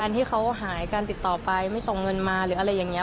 ที่เขาหายการติดต่อไปไม่ส่งเงินมาหรืออะไรอย่างนี้